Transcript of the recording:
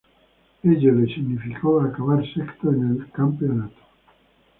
Ello le significó acabar sexto en el campeonato.